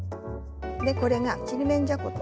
これがちりめんじゃこと